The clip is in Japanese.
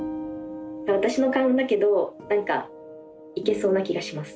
私の勘だけど何かいけそうな気がします。